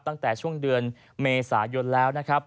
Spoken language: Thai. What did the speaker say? ตั้งแต่ช่วงเดือนเมษายนแล้วนะครับ